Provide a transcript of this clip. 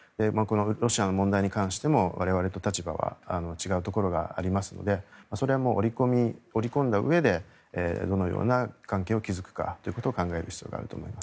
ロシアの問題に関しても我々と立場は違うところがありますのでそれはもう折り込んだうえでどのような関係を築いていくかということを考える必要があると思います。